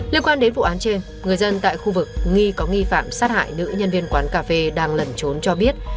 liên quan đến vụ án trên người dân tại khu vực nghi có nghi phạm sát hại nữ nhân viên quán cà phê đang lẩn trốn cho biết